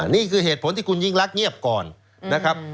นี่คือเหตุผลที่คุณยิ่งรักเงียบก่อนนะครับ